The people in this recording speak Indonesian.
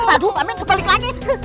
aduh amin balik lagi